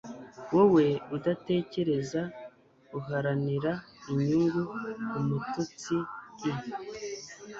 wowe udatekereza, uharanira inyungu, umututsi. i